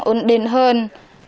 ổn định hơn